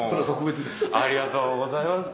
ありがとうございます。